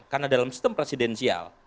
karena dalam sistem presidensial